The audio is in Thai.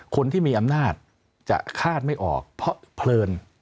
คนที่มีอำนาจจะคาดไม่ออกเพราะเพลิน